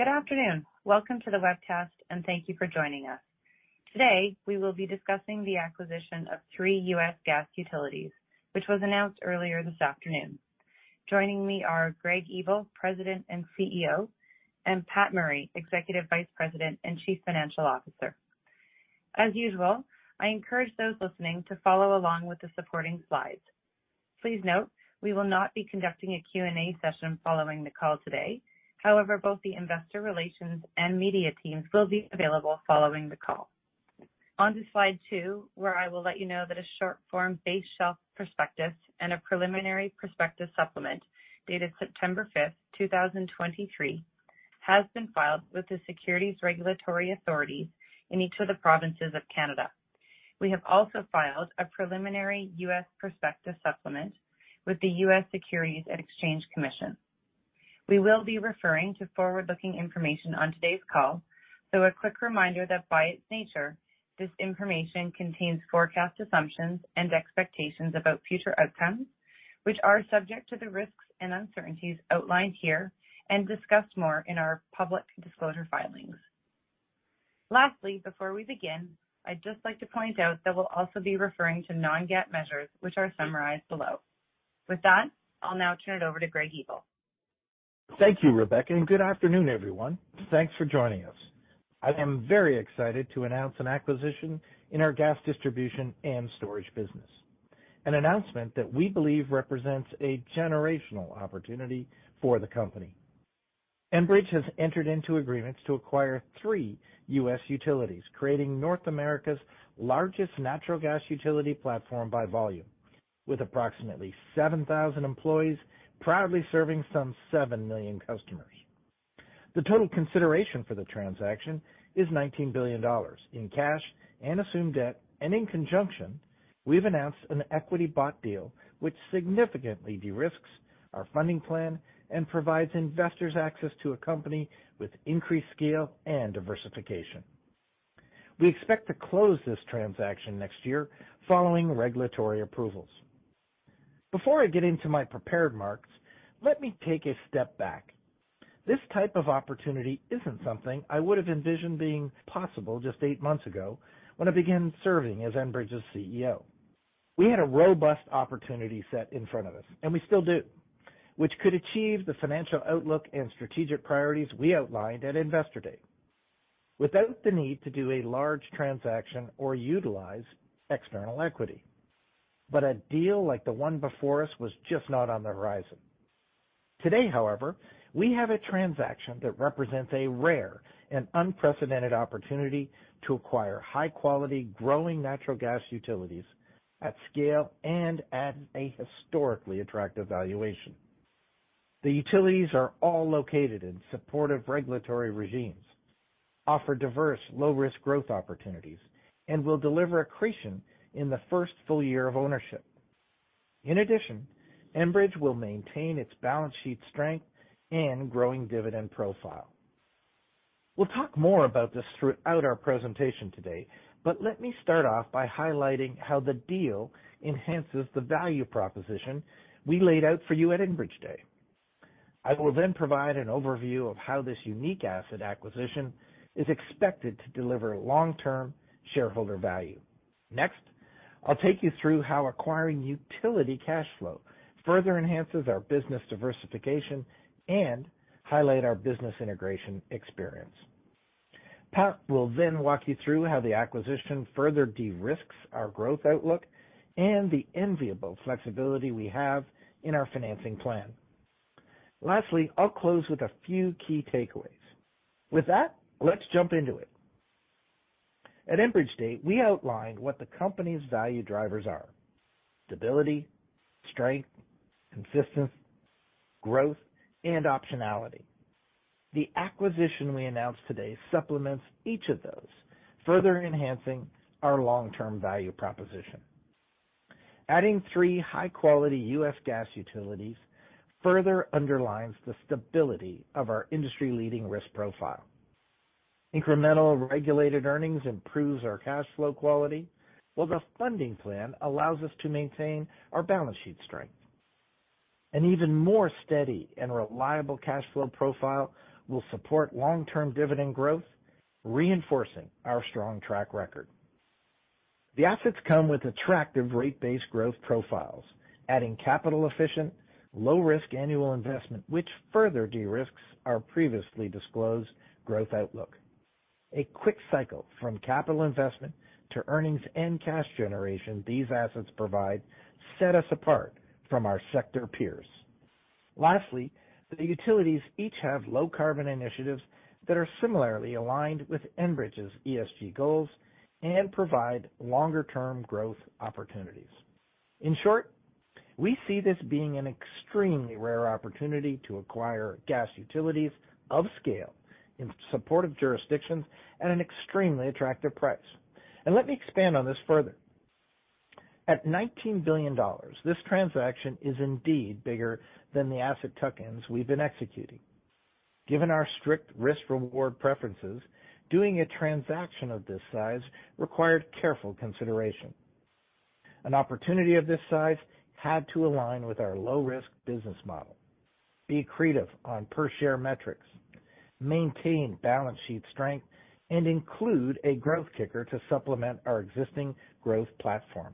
Good afternoon. Welcome to the webcast, and thank you for joining us. Today, we will be discussing the acquisition of three U.S. gas utilities, which was announced earlier this afternoon. Joining me are Greg Ebel, President and CEO, and Pat Murray, Executive Vice President and Chief Financial Officer. As usual, I encourage those listening to follow along with the supporting slides. Please note we will not be conducting a Q&A session following the call today. However, both the investor relations and media teams will be available following the call. On to slide two, where I will let you know that a short form base shelf prospectus and a preliminary prospectus supplement, dated September 5th, 2023, has been filed with the securities regulatory authorities in each of the provinces of Canada. We have also filed a preliminary U.S. prospectus supplement with the U.S. Securities and Exchange Commission. We will be referring to forward-looking information on today's call, so a quick reminder that by its nature, this information contains forecast assumptions and expectations about future outcomes, which are subject to the risks and uncertainties outlined here and discussed more in our public disclosure filings. Lastly, before we begin, I'd just like to point out that we'll also be referring to Non-GAAP measures, which are summarized below. With that, I'll now turn it over to Greg Ebel. Thank you, Rebecca, and good afternoon, everyone. Thanks for joining us. I am very excited to announce an acquisition in our gas distribution and storage business, an announcement that we believe represents a generational opportunity for the company. Enbridge has entered into agreements to acquire three U.S. utilities, creating North America's largest natural gas utility platform by volume, with approximately 7,000 employees, proudly serving some 7 million customers. The total consideration for the transaction is $19 billion in cash and assumed debt, and in conjunction, we've announced an equity bought deal, which significantly de-risks our funding plan and provides investors access to a company with increased scale and diversification. We expect to close this transaction next year following regulatory approvals. Before I get into my prepared remarks, let me take a step back. This type of opportunity isn't something I would have envisioned being possible just eight months ago when I began serving as Enbridge's CEO. We had a robust opportunity set in front of us, and we still do, which could achieve the financial outlook and strategic priorities we outlined at Investor Day, without the need to do a large transaction or utilize external equity. But a deal like the one before us was just not on the horizon. Today, however, we have a transaction that represents a rare and unprecedented opportunity to acquire high-quality, growing natural gas utilities at scale and at a historically attractive valuation. The utilities are all located in supportive regulatory regimes, offer diverse, low-risk growth opportunities, and will deliver accretion in the first full year of ownership. In addition, Enbridge will maintain its balance sheet strength and growing dividend profile. We'll talk more about this throughout our presentation today, but let me start off by highlighting how the deal enhances the value proposition we laid out for you at Enbridge Day. I will then provide an overview of how this unique asset acquisition is expected to deliver long-term shareholder value. Next, I'll take you through how acquiring utility cash flow further enhances our business diversification and highlight our business integration experience. Pat will then walk you through how the acquisition further de-risks our growth outlook and the enviable flexibility we have in our financing plan. Lastly, I'll close with a few key takeaways. With that, let's jump into it. At Enbridge Day, we outlined what the company's value drivers are: stability, strength, consistency, growth, and optionality. The acquisition we announced today supplements each of those, further enhancing our long-term value proposition. Adding three high-quality U.S. gas utilities further underlines the stability of our industry-leading risk profile. Incremental regulated earnings improves our cash flow quality, while the funding plan allows us to maintain our balance sheet strength. An even more steady and reliable cash flow profile will support long-term dividend growth, reinforcing our strong track record. The assets come with attractive rate-based growth profiles, adding capital-efficient, low-risk annual investment, which further de-risks our previously disclosed growth outlook. A quick cycle from capital investment to earnings and cash generation these assets provide set us apart from our sector peers. Lastly, the utilities each have low-carbon initiatives that are similarly aligned with Enbridge's ESG goals and provide longer-term growth opportunities. In short, we see this being an extremely rare opportunity to acquire gas utilities of scale in supportive jurisdictions at an extremely attractive price. Let me expand on this further. At $19 billion, this transaction is indeed bigger than the asset tuck-ins we've been executing. Given our strict risk-reward preferences, doing a transaction of this size required careful consideration. An opportunity of this size had to align with our low-risk business model, be accretive on per-share metrics, maintain balance sheet strength, and include a growth kicker to supplement our existing growth platform.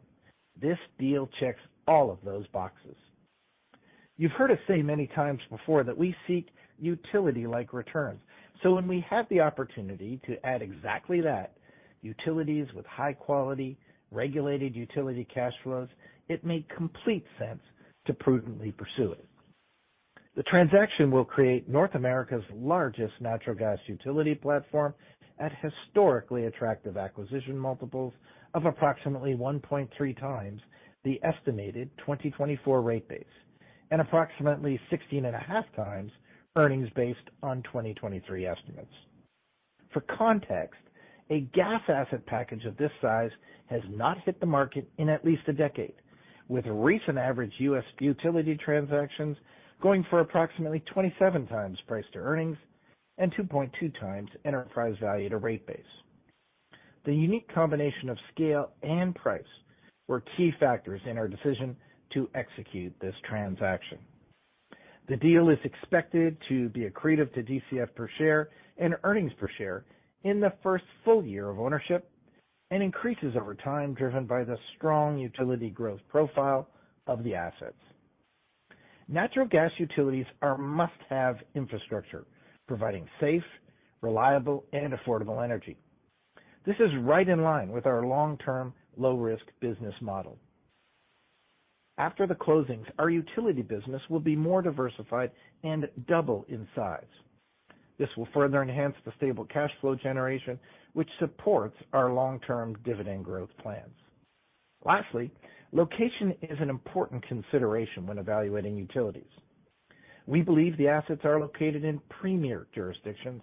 This deal checks all of those boxes. You've heard us say many times before that we seek utility-like returns. So when we have the opportunity to add exactly that, utilities with high-quality, regulated utility cash flows, it made complete sense to prudently pursue it. The transaction will create North America's largest natural gas utility platform at historically attractive acquisition multiples of approximately 1.3x the estimated 2024 rate base, and approximately 16.5x earnings based on 2023 estimates. For context, a gas asset package of this size has not hit the market in at least a decade, with recent average U.S. utility transactions going for approximately 27x price to earnings and 2.2x enterprise value to rate base. The unique combination of scale and price were key factors in our decision to execute this transaction. The deal is expected to be accretive to DCF per share and earnings per share in the first full year of ownership, and increases over time, driven by the strong utility growth profile of the assets. Natural gas utilities are a must-have infrastructure, providing safe, reliable, and affordable energy. This is right in line with our long-term, low-risk business model. After the closings, our utility business will be more diversified and double in size. This will further enhance the stable cash flow generation, which supports our long-term dividend growth plans. Lastly, location is an important consideration when evaluating utilities. We believe the assets are located in premier jurisdictions,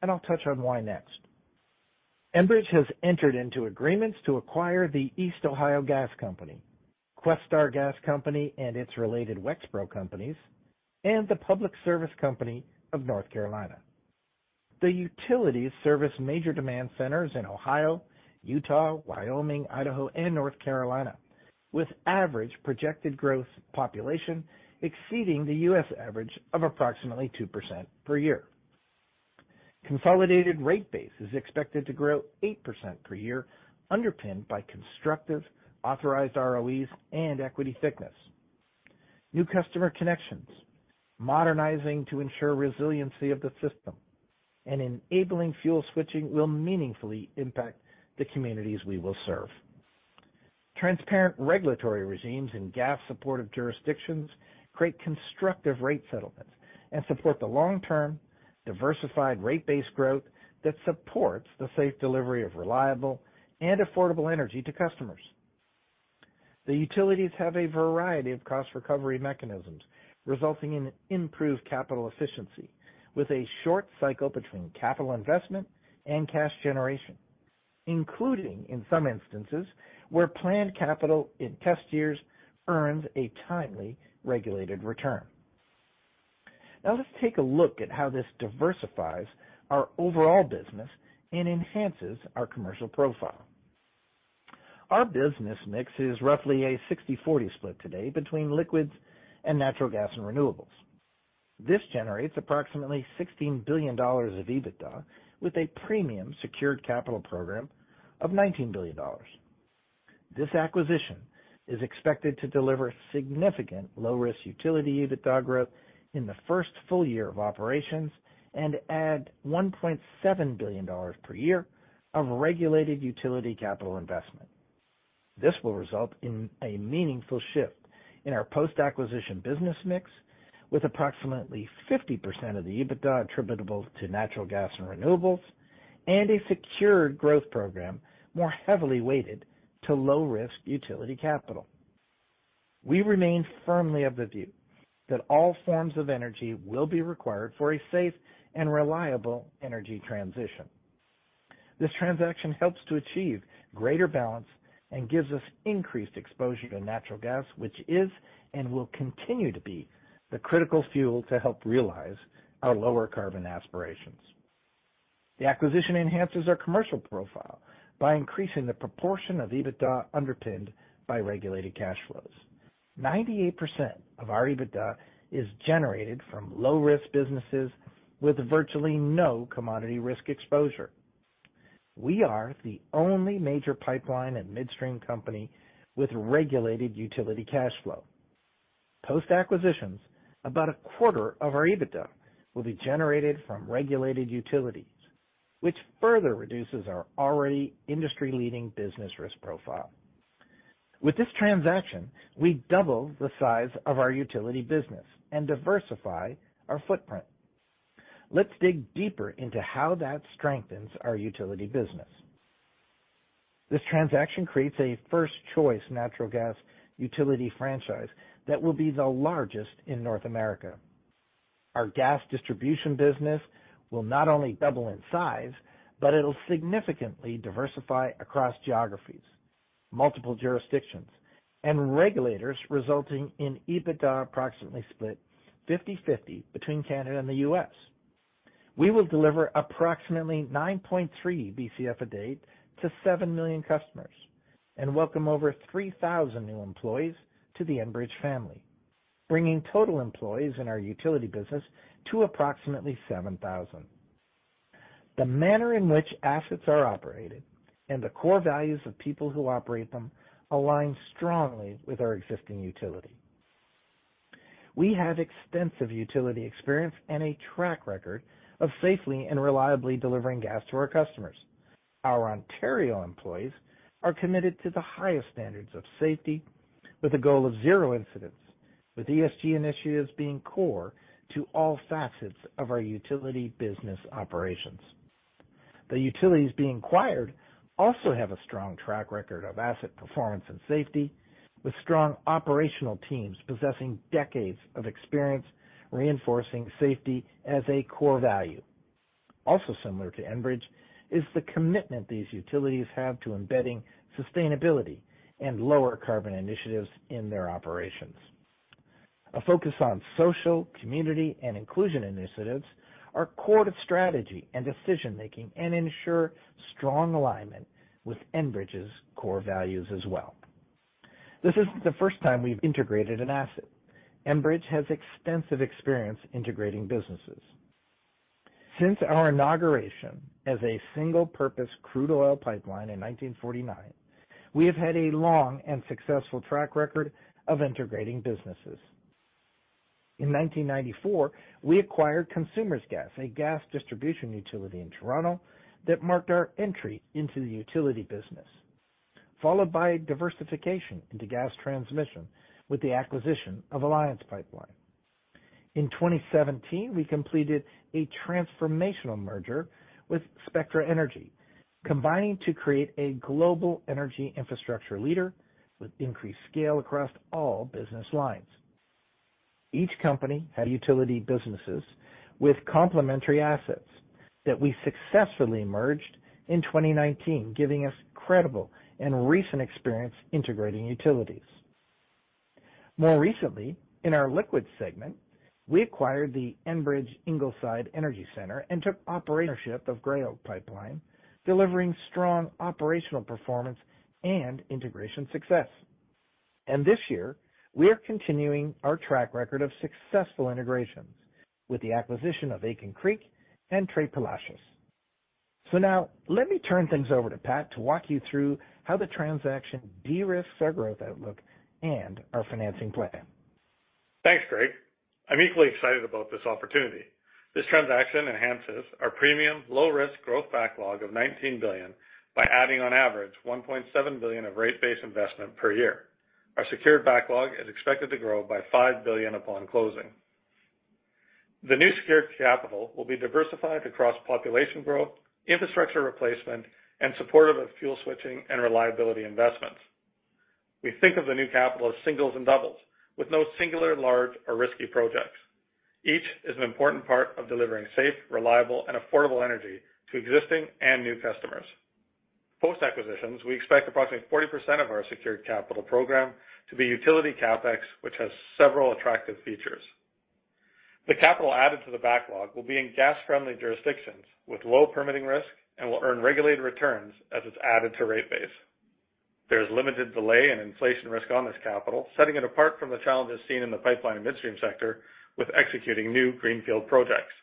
and I'll touch on why next. Enbridge has entered into agreements to acquire the East Ohio Gas Company, Questar Gas Company and its related Wexpro companies, and the Public Service Company of North Carolina. The utilities service major demand centers in Ohio, Utah, Wyoming, Idaho, and North Carolina, with average projected growth population exceeding the U.S. average of approximately 2% per year. Consolidated rate base is expected to grow 8% per year, underpinned by constructive authorized ROEs and equity thickness. New customer connections, modernizing to ensure resiliency of the system, and enabling fuel switching will meaningfully impact the communities we will serve. Transparent regulatory regimes in gas-supportive jurisdictions create constructive rate settlements and support the long-term, diversified rate base growth that supports the safe delivery of reliable and affordable energy to customers. The utilities have a variety of cost recovery mechanisms, resulting in improved capital efficiency, with a short cycle between capital investment and cash generation, including, in some instances, where planned capital in test years earns a timely, regulated return. Now, let's take a look at how this diversifies our overall business and enhances our commercial profile. Our business mix is roughly a 60/40 split today between liquids and natural gas and renewables. This generates approximately 16 billion dollars of EBITDA, with a premium secured capital program of 19 billion dollars. This acquisition is expected to deliver significant low-risk utility EBITDA growth in the first full year of operations and add $1.7 billion per year of regulated utility capital investment. This will result in a meaningful shift in our post-acquisition business mix, with approximately 50% of the EBITDA attributable to natural gas and renewables, and a secured growth program more heavily weighted to low-risk utility capital. We remain firmly of the view that all forms of energy will be required for a safe and reliable energy transition. This transaction helps to achieve greater balance and gives us increased exposure to natural gas, which is and will continue to be the critical fuel to help realize our lower carbon aspirations. The acquisition enhances our commercial profile by increasing the proportion of EBITDA underpinned by regulated cash flows. 98% of our EBITDA is generated from low-risk businesses with virtually no commodity risk exposure. We are the only major pipeline and midstream company with regulated utility cash flow. Post-acquisitions, about a quarter of our EBITDA will be generated from regulated utilities, which further reduces our already industry-leading business risk profile. With this transaction, we double the size of our utility business and diversify our footprint. Let's dig deeper into how that strengthens our utility business. This transaction creates a first-choice natural gas utility franchise that will be the largest in North America. Our gas distribution business will not only double in size, but it'll significantly diversify across geographies, multiple jurisdictions, and regulators, resulting in EBITDA approximately split 50/50 between Canada and the U.S.... We will deliver approximately 9.3 Bcf a day to 7 million customers and welcome over 3,000 new employees to the Enbridge family, bringing total employees in our utility business to approximately 7,000. The manner in which assets are operated and the core values of people who operate them align strongly with our existing utility. We have extensive utility experience and a track record of safely and reliably delivering gas to our customers. Our Ontario employees are committed to the highest standards of safety, with a goal of zero incidents, with ESG initiatives being core to all facets of our utility business operations. The utilities being acquired also have a strong track record of asset performance and safety, with strong operational teams possessing decades of experience reinforcing safety as a core value. Also similar to Enbridge is the commitment these utilities have to embedding sustainability and lower carbon initiatives in their operations. A focus on social, community, and inclusion initiatives are core to strategy and decision-making and ensure strong alignment with Enbridge's core values as well. This isn't the first time we've integrated an asset. Enbridge has extensive experience integrating businesses. Since our inauguration as a single-purpose crude oil pipeline in 1949, we have had a long and successful track record of integrating businesses. In 1994, we acquired Consumers' Gas, a gas distribution utility in Toronto that marked our entry into the utility business, followed by diversification into gas transmission with the acquisition of Alliance Pipeline. In 2017, we completed a transformational merger with Spectra Energy, combining to create a global energy infrastructure leader with increased scale across all business lines. Each company had utility businesses with complementary assets that we successfully merged in 2019, giving us incredible and recent experience integrating utilities. More recently, in our liquid segment, we acquired the Enbridge Ingleside Energy Center and took ownership of Gray Oak Pipeline, delivering strong operational performance and integration success. This year, we are continuing our track record of successful integrations with the acquisition of Aitken Creek and Tres Palacios. Now let me turn things over to Pat to walk you through how the transaction de-risks our growth outlook and our financing plan. Thanks, Greg. I'm equally excited about this opportunity. This transaction enhances our premium, low-risk growth backlog of $19 billion by adding, on average, $1.7 billion of rate base investment per year. Our secured backlog is expected to grow by $5 billion upon closing. The new secured capital will be diversified across population growth, infrastructure replacement, and supportive of fuel switching and reliability investments. We think of the new capital as singles and doubles, with no singular, large, or risky projects. Each is an important part of delivering safe, reliable, and affordable energy to existing and new customers. Post-acquisitions, we expect approximately 40% of our secured capital program to be utility CapEx, which has several attractive features. The capital added to the backlog will be in gas-friendly jurisdictions with low permitting risk and will earn regulated returns as it's added to rate base. There is limited delay and inflation risk on this capital, setting it apart from the challenges seen in the pipeline and midstream sector with executing new greenfield projects.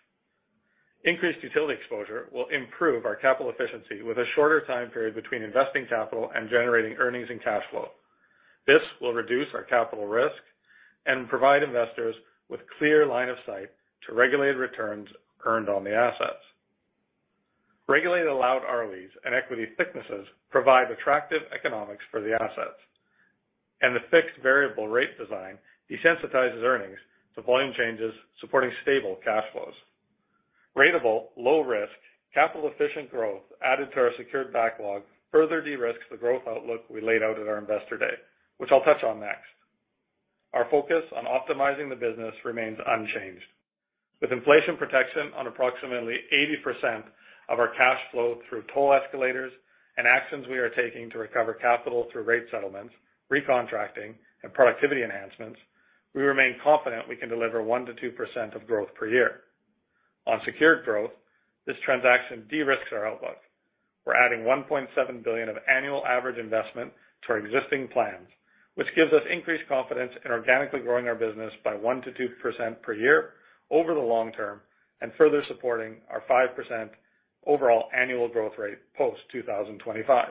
Increased utility exposure will improve our capital efficiency with a shorter time period between investing capital and generating earnings and cash flow. This will reduce our capital risk and provide investors with clear line of sight to regulated returns earned on the assets. Regulated allowed ROEs and equity thicknesses provide attractive economics for the assets, and the fixed variable rate design desensitizes earnings to volume changes, supporting stable cash flows. Ratable, low-risk, capital-efficient growth added to our secured backlog further de-risks the growth outlook we laid out at our Investor Day, which I'll touch on next. Our focus on optimizing the business remains unchanged. With inflation protection on approximately 80% of our cash flow through toll escalators and actions we are taking to recover capital through rate settlements, recontracting, and productivity enhancements, we remain confident we can deliver 1%-2% of growth per year. On secured growth, this transaction de-risks our outlook. We're adding $1.7 billion of annual average investment to our existing plans, which gives us increased confidence in organically growing our business by 1%-2% per year over the long term and further supporting our 5% overall annual growth rate post-2025.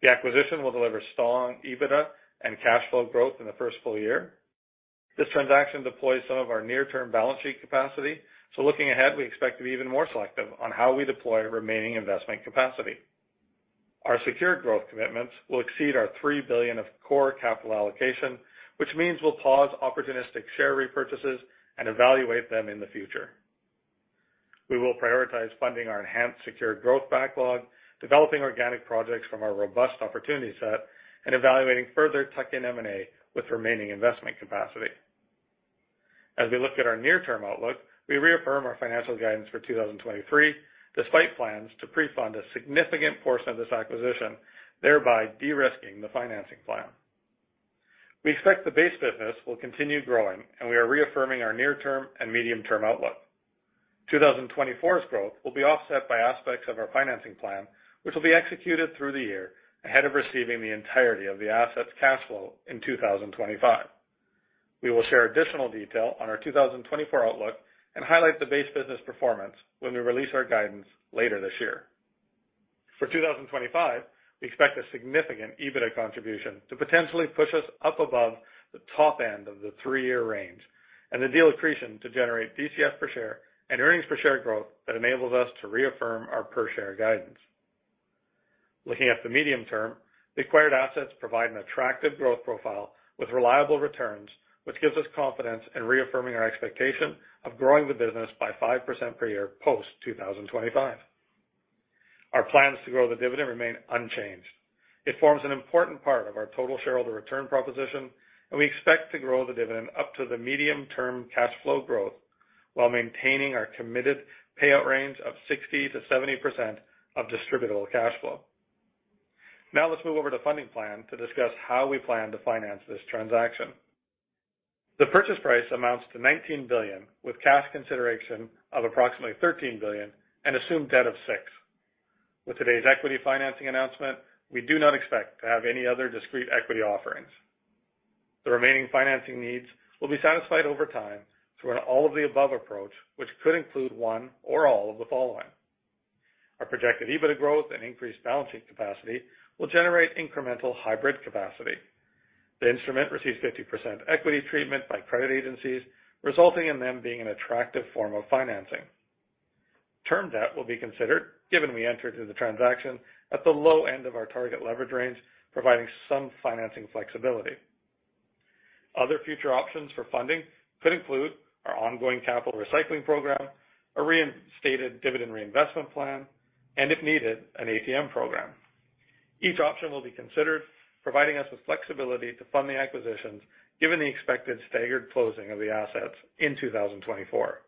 The acquisition will deliver strong EBITDA and cash flow growth in the first full year. This transaction deploys some of our near-term balance sheet capacity, so looking ahead, we expect to be even more selective on how we deploy remaining investment capacity. Our secured growth commitments will exceed our 3 billion of core capital allocation, which means we'll pause opportunistic share repurchases and evaluate them in the future. We will prioritize funding our enhanced secured growth backlog, developing organic projects from our robust opportunity set, and evaluating further tuck-in M&A with remaining investment capacity. As we look at our near-term outlook, we reaffirm our financial guidance for 2023, despite plans to pre-fund a significant portion of this acquisition, thereby de-risking the financing plan. We expect the base business will continue growing, and we are reaffirming our near-term and medium-term outlook. 2024's growth will be offset by aspects of our financing plan, which will be executed through the year, ahead of receiving the entirety of the assets' cash flow in 2025. We will share additional detail on our 2024 outlook and highlight the base business performance when we release our guidance later this year. For 2025, we expect a significant EBITDA contribution to potentially push us up above the top end of the three-year range, and the deal accretion to generate DCF per share and earnings per share growth that enables us to reaffirm our per-share guidance. Looking at the medium term, the acquired assets provide an attractive growth profile with reliable returns, which gives us confidence in reaffirming our expectation of growing the business by 5% per year post 2025. Our plans to grow the dividend remain unchanged. It forms an important part of our total shareholder return proposition, and we expect to grow the dividend up to the medium-term cash flow growth, while maintaining our committed payout range of 60%-70% of distributable cash flow. Now let's move over to funding plan to discuss how we plan to finance this transaction. The purchase price amounts to $19 billion, with cash consideration of approximately $13 billion and assumed debt of $6 billion. With today's equity financing announcement, we do not expect to have any other discrete equity offerings. The remaining financing needs will be satisfied over time through an all-of-the-above approach, which could include one or all of the following: Our projected EBITDA growth and increased balancing capacity will generate incremental hybrid capacity. The instrument receives 50% equity treatment by credit agencies, resulting in them being an attractive form of financing. Term debt will be considered, given we enter into the transaction at the low end of our target leverage range, providing some financing flexibility. Other future options for funding could include our ongoing capital recycling program, a reinstated dividend reinvestment plan, and if needed, an ATM program. Each option will be considered, providing us with flexibility to fund the acquisitions, given the expected staggered closing of the assets in 2024.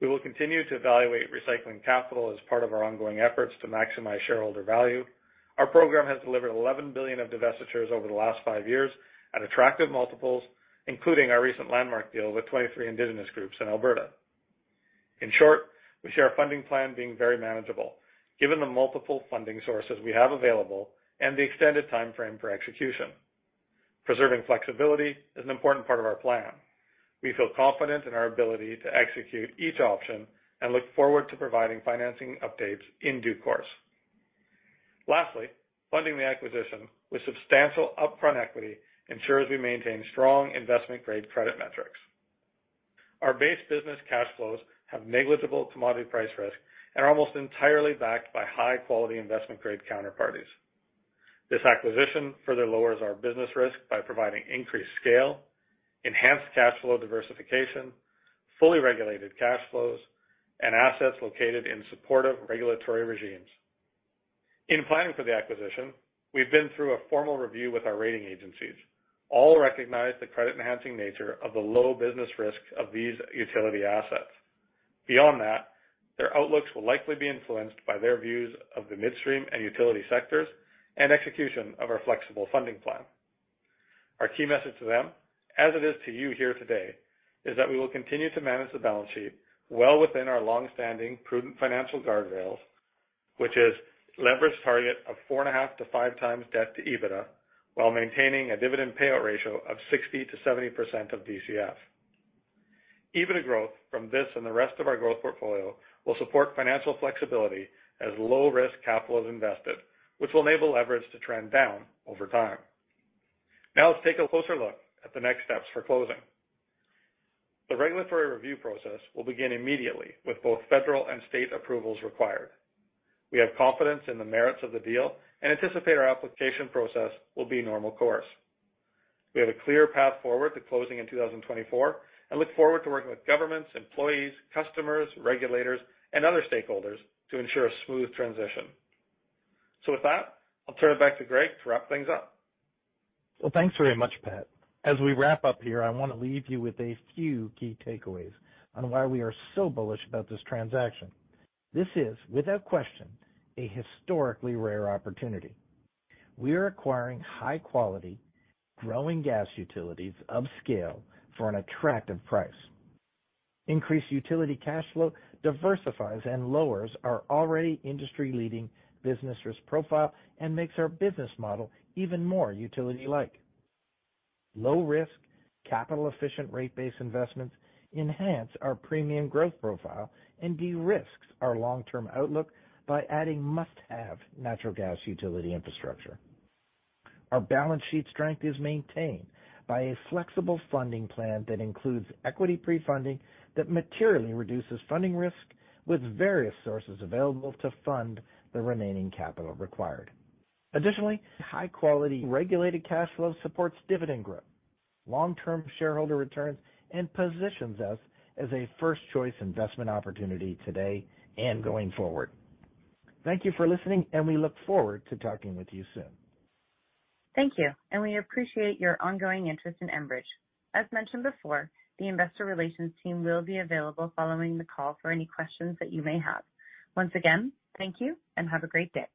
We will continue to evaluate recycling capital as part of our ongoing efforts to maximize shareholder value. Our program has delivered 11 billion of divestitures over the last 5 years at attractive multiples, including our recent landmark deal with 23 indigenous groups in Alberta. In short, we see our funding plan being very manageable, given the multiple funding sources we have available and the extended timeframe for execution. Preserving flexibility is an important part of our plan. We feel confident in our ability to execute each option and look forward to providing financing updates in due course. Lastly, funding the acquisition with substantial upfront equity ensures we maintain strong investment-grade credit metrics. Our base business cash flows have negligible commodity price risk and are almost entirely backed by high-quality investment-grade counterparties. This acquisition further lowers our business risk by providing increased scale, enhanced cash flow diversification, fully regulated cash flows, and assets located in supportive regulatory regimes. In planning for the acquisition, we've been through a formal review with our rating agencies. All recognize the credit-enhancing nature of the low business risk of these utility assets. Beyond that, their outlooks will likely be influenced by their views of the midstream and utility sectors and execution of our flexible funding plan. Our key message to them, as it is to you here today, is that we will continue to manage the balance sheet well within our long-standing, prudent financial guardrails, which is leverage target of 4.5x-5x debt to EBITDA, while maintaining a dividend payout ratio of 60%-70% of DCF. EBITDA growth from this and the rest of our growth portfolio will support financial flexibility as low-risk capital is invested, which will enable leverage to trend down over time. Now, let's take a closer look at the next steps for closing. The regulatory review process will begin immediately, with both federal and state approvals required. We have confidence in the merits of the deal and anticipate our application process will be normal course. We have a clear path forward to closing in 2024 and look forward to working with governments, employees, customers, regulators, and other stakeholders to ensure a smooth transition. With that, I'll turn it back to Greg to wrap things up. Well, thanks very much, Pat. As we wrap up here, I want to leave you with a few key takeaways on why we are so bullish about this transaction. This is, without question, a historically rare opportunity. We are acquiring high-quality, growing gas utilities of scale for an attractive price. Increased utility cash flow diversifies and lowers our already industry-leading business risk profile and makes our business model even more utility-like. Low-risk, capital-efficient, rate-based investments enhance our premium growth profile and de-risks our long-term outlook by adding must-have natural gas utility infrastructure. Our balance sheet strength is maintained by a flexible funding plan that includes equity pre-funding that materially reduces funding risk, with various sources available to fund the remaining capital required. Additionally, high-quality regulated cash flow supports dividend growth, long-term shareholder returns, and positions us as a first-choice investment opportunity today and going forward. Thank you for listening, and we look forward to talking with you soon. Thank you, and we appreciate your ongoing interest in Enbridge. As mentioned before, the investor relations team will be available following the call for any questions that you may have. Once again, thank you, and have a great day.